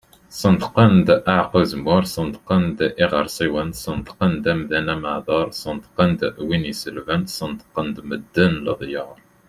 Sneṭqen-d aɛeqqa uzemmur, Sneṭqen-d iɣersiwen, Sneṭqen-d amdan ameɛdur, Sneṭqen-d win iselben, Sneṭqen-d medden leḍyur.